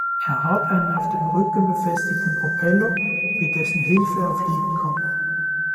Er hat einen auf dem Rücken befestigten Propeller, mit dessen Hilfe er fliegen kann.